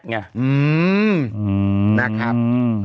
นะครับ